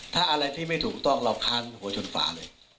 ถ้าอะไรที่ไม่ถูกต้องเราค้านหัวชนฝาเลย